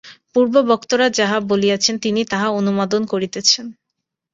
পূর্ব-বক্তারা যাহা বলিয়াছেন, তিনি তাহা অনুমোদন করিতেছেন।